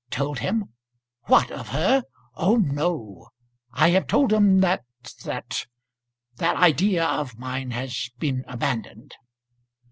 "Told him; what, of her? Oh no. I have told him that that, that idea of mine has been abandoned."